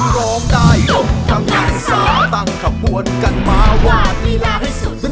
ร้องได้ยกกำลังซ่าตั้งขบวนกันมาวาง